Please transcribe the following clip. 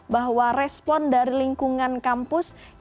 bahwa respon dari korban adalah yang tidak bisa diatasi oleh polisi pertama